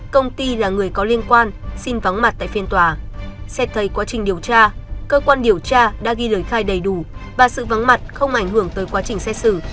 công ty là người có liên quan xin vắng mặt tại phiên tòa xét thấy quá trình điều tra cơ quan điều tra đã ghi lời khai đầy đủ và sự vắng mặt không ảnh hưởng tới quá trình xét xử